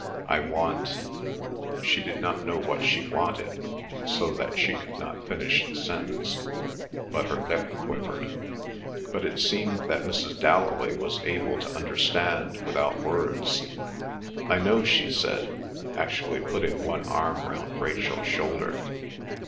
"I want—" She did not know what she wanted, so that she could not finish the sentence; but her lip quivered. But it seemed that Mrs. Dalloway was able to understand without words. "I know," she said, actually putting one arm round Rachel's shoulder.